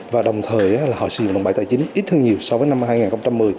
và đồng thời họ sử dụng đồng bảy tài chính ít hơn nhiều so với năm hai nghìn một mươi